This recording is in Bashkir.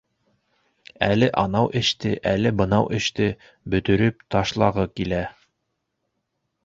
Әле анау эште, әле бынау эште бөтөрөп ташлағы килә.